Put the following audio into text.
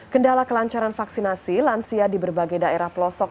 kendala kelancaran vaksinasi lansia di berbagai daerah pelosok